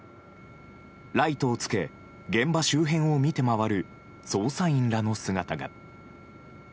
ライトをつけ現場周辺を見て回る捜査員らの姿が。